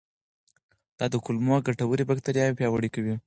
دا د کولمو ګټورې باکتریاوې پیاوړې کوي.